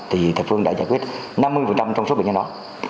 thì thập phương đã giải quyết năm mươi trong số bệnh nhân đó